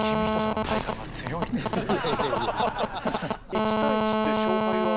１対１って。